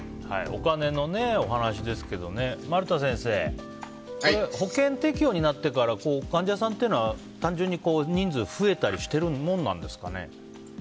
お金のお話ですが丸田先生、保険適用になってから患者さんは単純に人数増えたりしてるものなんですか？